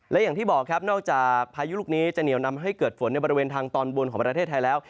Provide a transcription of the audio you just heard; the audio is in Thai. และอย่างที่บอกครับนอกจากพายุลูกนี้จะเหนียวนำให้เกิดฝนในบริเวณทางตอนบนของประเทศไทยแล้ว